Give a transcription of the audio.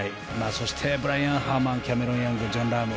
そして、ブライアン・ハーマンキャメロン・スミスジョン・ラーム